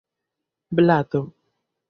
blato